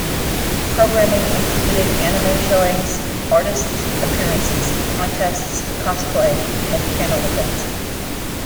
Programming included anime showings, artist appearances, contests, cosplay, and panel events.